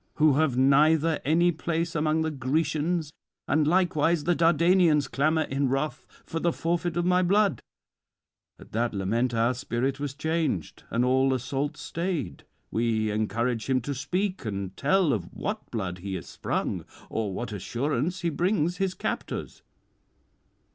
who have neither any place among the Grecians, and likewise the Dardanians clamour in wrath for the forfeit of my blood." At that lament our spirit was changed, and all assault stayed: we encourage him to speak, and tell of what blood he is sprung, or what assurance he brings his captors.